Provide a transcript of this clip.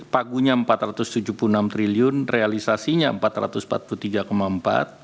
pagunya rp empat ratus tujuh puluh enam triliun realisasinya rp empat ratus empat puluh tiga empat